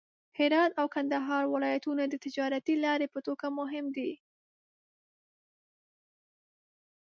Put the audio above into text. هرات او کندهار ولایتونه د تجارتي لارې په توګه مهم دي.